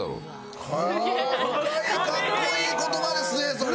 かっこいい言葉ですねそれ。